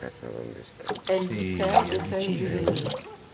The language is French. Elles diffèrent des feuilles juvéniles.